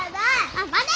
あっ待て！